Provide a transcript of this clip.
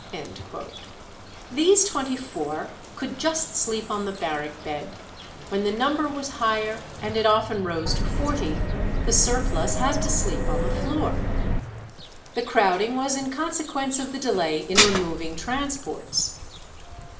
" These twenty four could just sleep on the barrack bed; when the number was higher, and it often rose to forty, the surplus had to sleep on the floor. The crowding was in consequence of the delay in removing transports.